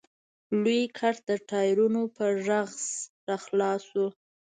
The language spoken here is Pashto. لوی ګټ د ټايرونو په غژس راخلاص شو.